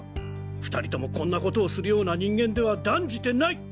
２人ともこんなことをするような人間では断じてない。